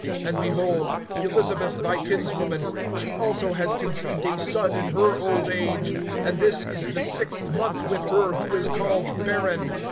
(36)And, behold, Elisabeth thy kinswoman, she also has conceived a son in her old age; and this is the sixth month with her who is called barren.